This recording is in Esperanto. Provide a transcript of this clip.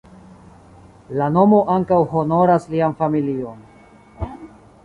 La nomo ankaŭ honoras lian familion.